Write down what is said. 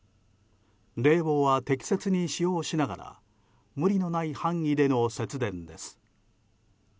冷房は適切に使用しながら無理のない範囲での節電です。